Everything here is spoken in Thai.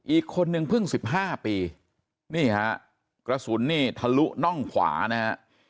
อีกคนนึงเพิ่ง๑๕ปีนี่ฮะกระสุนนี่ทะลุน่องขวานะฮะ